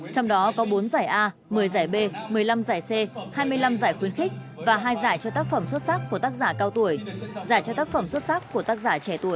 trong đó có bốn giải a một mươi giải b một mươi năm giải c hai mươi năm giải khuyến khích và hai giải cho tác phẩm xuất sắc của tác giả cao tuổi giải cho tác phẩm xuất sắc của tác giả trẻ tuổi